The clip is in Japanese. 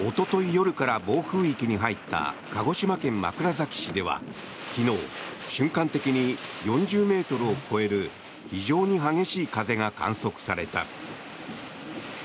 夜から暴風域に入った鹿児島県枕崎市では昨日、瞬間的に４０ｍを超える非常に激しい風が観測された。